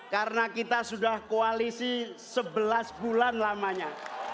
karena kita sudah koalisi sebelas bulan lamanya